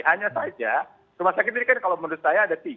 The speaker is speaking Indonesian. hanya saja rumah sakit ini kan kalau menurut saya ada tiga